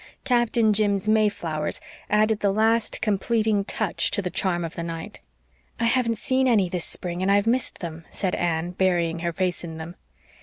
Captain Jim's mayflowers added the last completing touch to the charm of the night. "I haven't seen any this spring, and I've missed them," said Anne, burying her face in them.